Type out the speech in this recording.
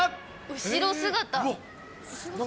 後ろ姿。